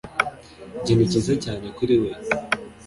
Ikintu cyiza cyane kuri we